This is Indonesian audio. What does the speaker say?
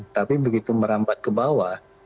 tapi begitu merambat ke bawah